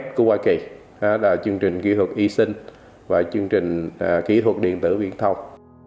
ad của hoa kỳ là chương trình kỹ thuật y sinh và chương trình kỹ thuật điện tử viện thông